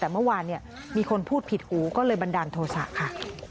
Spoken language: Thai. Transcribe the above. แต่เมื่อวานเนี่ยมีคนพูดผิดหูก็เลยบันดาลโทษะค่ะ